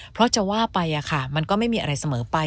เพราะจะว่าไปมันก็ไม่มีอะไรเสมอไป